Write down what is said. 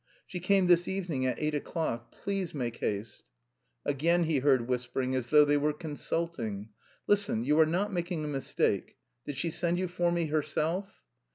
"She came this evening at eight o'clock. Please make haste." Again he heard whispering, as though they were consulting. "Listen, you are not making a mistake? Did she send you for me herself?"